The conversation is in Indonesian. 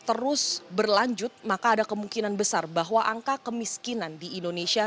terus berlanjut maka ada kemungkinan besar bahwa angka kemiskinan di indonesia